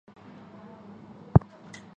白斑小孔蟾鱼的图片